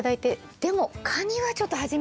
でもカニはちょっと初めてで。